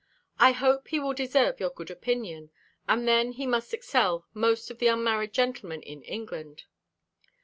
I hope he will deserve your good opinion, and then he must excel most of the unmarried gentlemen in England.